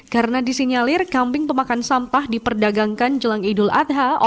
karena disinyalir kambing pemakan sampah diperdagangkan jelang idul adha